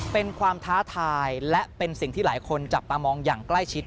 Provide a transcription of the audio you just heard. เป็นความท้าทายและเป็นสิ่งที่หลายคนจับตามองอย่างใกล้ชิด